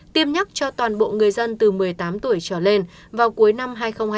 tiêm nhắc cho toàn bộ người dân từ một mươi tám tuổi trở lên vào cuối năm hai nghìn hai mươi